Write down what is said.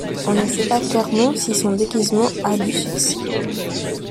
On ne sait pas clairement si son déguisement a du succès.